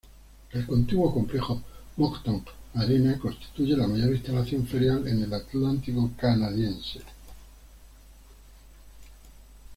El contiguo complejo Moncton Arena constituye la mayor instalación ferial en el Atlántico canadiense.